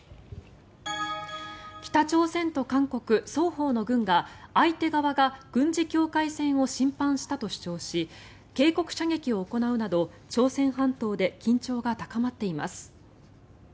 北朝鮮と韓国双方の軍が相手側が軍事境界線を侵犯したと主張し警告射撃を行うなど、朝鮮半島で緊張が高まっています。